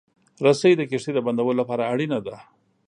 رسۍ د کښتۍ د بندولو لپاره اړینه ده.